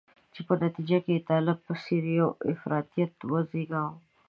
چې په نتیجه کې یې طالب په څېر یو افراطیت وزیږاوه.